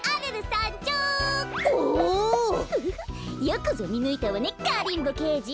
よくぞみぬいたわねガリンボけいじ。